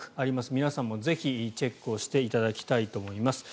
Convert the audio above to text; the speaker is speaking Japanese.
皆さんもぜひチェックしていただきたいと思います。